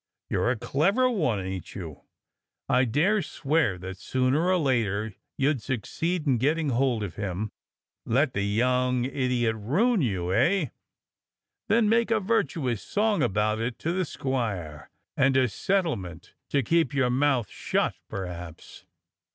You're a clever one, ain't you.^^ I dare swear that sooner or later you'd succeed in getting hold of him — let the young idiot ruin you, eh.^ Then make a virtuous song about it to the squire, and a settlement to keep your mouth shut, perhaps."